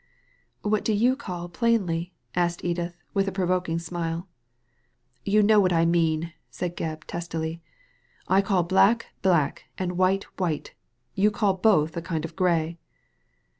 *'" What do you call plainly ?" asked Edith, with a provoking smile. You know what I mean/' said Gebb, testily. "I call black black and white white ; you call both a kind of grey."